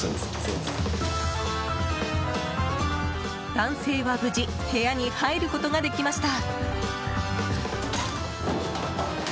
男性は無事部屋に入ることができました。